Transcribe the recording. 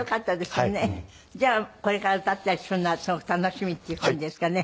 じゃあこれから歌ったりするのがすごく楽しみっていう感じですかね。